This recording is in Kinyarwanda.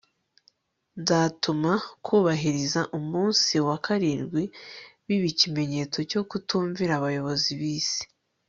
Nzatuma kubahiriza umunsi wa karindwi biba ikimenyetso cyo kutumvira abayobozi bisi